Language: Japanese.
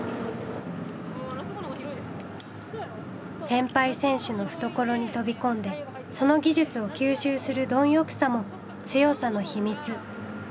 先輩選手の懐に飛び込んでその技術を吸収する貪欲さも強さの秘密。